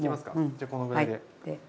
じゃこのぐらいで。